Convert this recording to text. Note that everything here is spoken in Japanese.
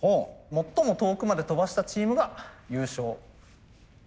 最も遠くまで飛ばしたチームが優勝。